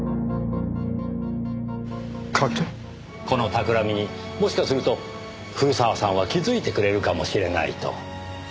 この企みにもしかすると古澤さんは気づいてくれるかもしれないと。